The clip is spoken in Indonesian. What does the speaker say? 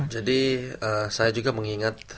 jadi saya juga mengingat